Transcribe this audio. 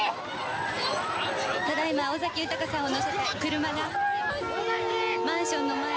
ただ今尾崎豊さんをのせた車がマンションの前を。